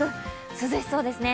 涼しそうですね。